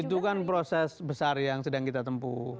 itu kan proses besar yang sedang kita tempuh